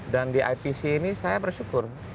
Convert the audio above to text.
dan di ipc ini saya bersyukur